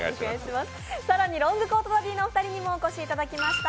更にロングコートダディのお二人にもお越しいただきました。